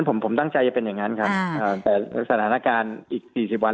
ผมผมตั้งใจจะเป็นอย่างนั้นครับแต่สถานการณ์อีก๔๐วัน